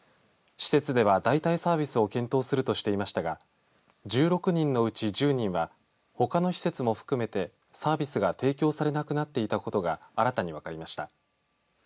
施設では、代替サービスを検討するとしていましたが１６人のうち１０人はほかの施設も含めてサービスが提供されなくなっていたことが新たに分かりました。